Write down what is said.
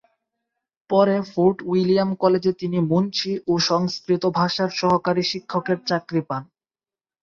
পরে Fort William কলেজে তিনি মুন্সি ও সংস্কৃত ভাষার সহকারী শিক্ষকের চাকরি পান।